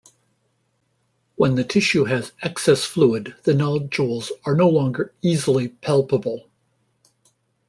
When the tissue has excess fluid the nodules are no longer easily palpable.